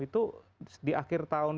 itu di akhir tahun